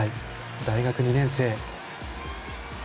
大学２年生。